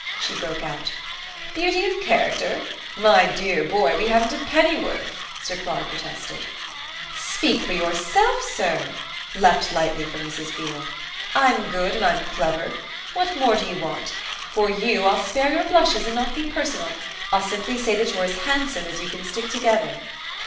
she broke out. "Beauty of character? My dear boy, we haven't a pennyworth!" Sir Claude protested. "Speak for yourself, sir!" she leaped lightly from Mrs. Beale. "I'm good and I'm clever. What more do you want? For you, I'll spare your blushes and not be personal I'll simply say that you're as handsome as you can stick together."